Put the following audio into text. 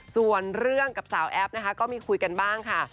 ส่วนเรื่องกับสาวแอฟนะคะก็มีคุยกันบ้างค่ะ